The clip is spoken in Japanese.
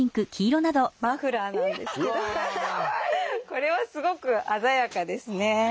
これはすごく鮮やかですね。